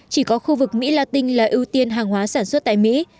chỉ có khu vực mỹ latin là ưu tiên hàng hóa sản xuất tại mỹ